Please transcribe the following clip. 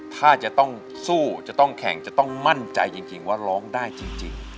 ถ้าจะต้องสู้จะต้องแข่งจะต้องมั่นใจจริงว่าร้องได้จริง